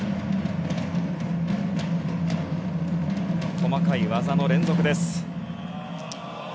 細かい技の連続です。